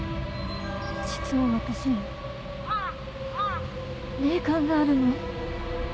実は私霊感があるの。